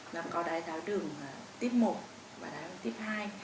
nó có đáy tháo đường tiếp một và đáy tháo đường tiếp hai